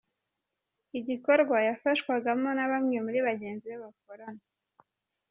Igikorwa yafashwagamo na bamwe muri bagenzi be bakorana.